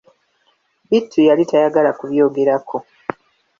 Bittu yali tayagala kubyogerako.